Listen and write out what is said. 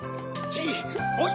じい！